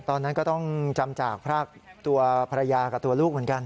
ตอนนั้นก็ต้องจำจากพรากตัวภรรยากับตัวลูกเหมือนกัน